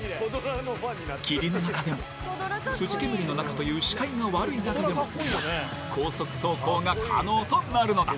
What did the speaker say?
霧の中でも土煙の中という視界が悪い中でも高速走行が可能となるのだ。